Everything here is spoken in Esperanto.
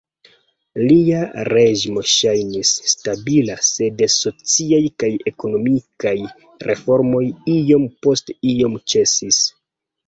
Lia reĝimo ŝajnis "stabila", sed sociaj kaj ekonomikaj reformoj iom post iom ĉesis.